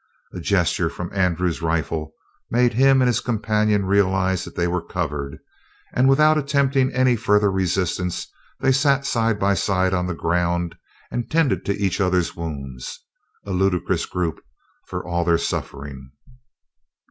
A gesture from Andrew's rifle made him and his companion realize that they were covered, and, without attempting any further resistance, they sat side by side on the ground and tended to each other's wounds a ludicrous group for all their suffering.